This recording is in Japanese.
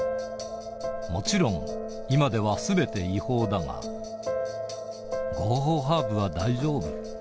もちろん今では全て違法だが「合法ハーブは大丈夫」